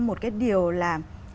một cái điều là